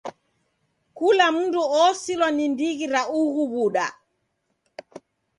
Kula mndu osilwa ni ndighi ra ughu w'uda.